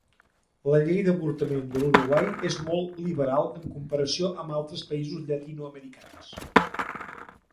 La llei d'avortament de l'Uruguai és molt liberal en comparació amb els altres països llatinoamericans.